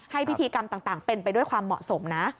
พิธีกรรมต่างเป็นไปด้วยความเหมาะสมนะ